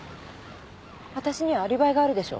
私にはアリバイがあるでしょ。